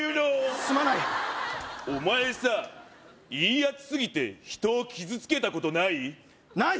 すまないお前さいいやつすぎて人を傷つけたことない？ない！